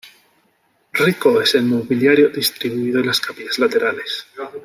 Rico es el mobiliario distribuido en las capillas laterales.